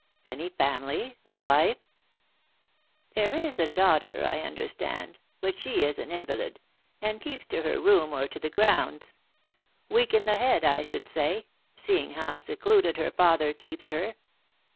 "Any family? a wife?" "There is a daughter, I understand, but she is an invalid, and keeps to her room or to the grounds. Weak in the head I should say, seeing how secluded her father keeps her."